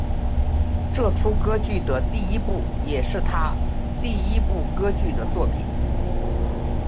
这出歌剧的第一部也是他第一部歌剧作品。